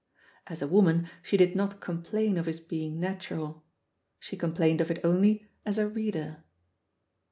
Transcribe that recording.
As a woman she did not com « plain of his being natural — she complained of it only as a reader.